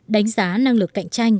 đánh giá năng lực cạnh tranh